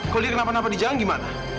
kalau dia kenapa napa di jalan gimana